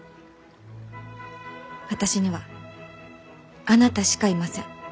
私にはあなたしかいません。